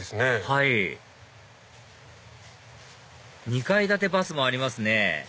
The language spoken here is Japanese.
はい２階建てバスもありますね